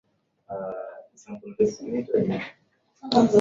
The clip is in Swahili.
Watu wengi hawajakuja leo